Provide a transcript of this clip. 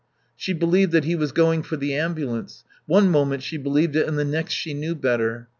She believed that he was going for the ambulance. One moment she believed it and the next she knew better.